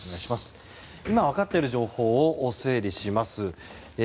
今分かっている情報を整理します。